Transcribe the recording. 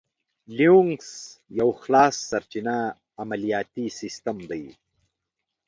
لینوکس یو خلاصسرچینه عملیاتي سیسټم دی.